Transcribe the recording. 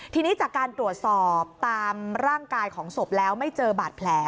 ทีนี้จากการตรวจสอบตามร่างกายของศพแล้วไม่เจอบาดแผล